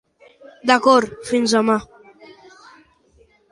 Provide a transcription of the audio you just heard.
D'acord, fins demà.